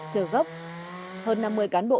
trơ gốc hơn năm mươi cán bộ